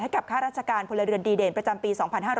กับค่าราชการพลเรือนดีเด่นประจำปี๒๕๕๙